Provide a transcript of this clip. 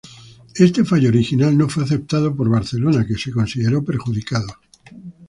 Este fallo original no fue aceptado por Barcelona, que se consideró perjudicado.